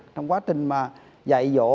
trong quá trình mà dạy dỗ